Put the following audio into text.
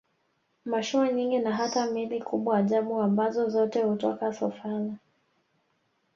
Mashua nyingi na hata meli kubwa ajabu ambazo zote hutoka Sofala